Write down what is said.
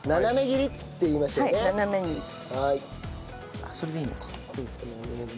あっそれでいいのか。